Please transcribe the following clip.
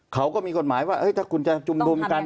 เขาก็มีกฎหมายว่าถ้าคุณจะชุมนุมกัน